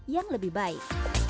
yang lebih baik